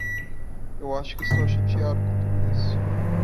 Eu acho que estou chateado com tudo isso.